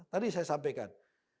tadi saya sampaikan